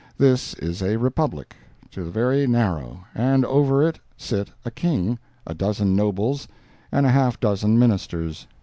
This is a republic, to the very marrow, and over it sit a King, a dozen Nobles and half a dozen Ministers.